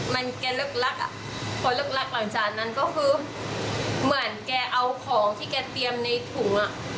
มันแกเลิกลักอ่ะพอเลิกรักหลังจากนั้นก็คือเหมือนแกเอาของที่แกเตรียมในถุงอ่ะ